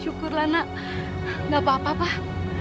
syukurlah nak gak apa apa